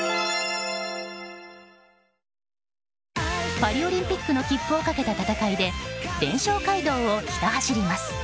パリオリンピックの切符をかけた戦いで連勝街道をひた走ります。